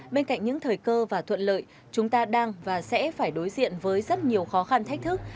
bên cạnh những thời cơ và thuận lợi chúng ta đang và sẽ phải đối diện với rất nhiều khó khăn thách thức